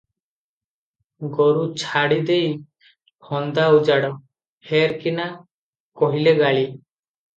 ଗୋରୁ ଛାଡ଼ିଦେଇ ଫନ୍ଦା ଉଜାଡ଼, ଫେର କିନା - କହିଲେ ଗାଳି?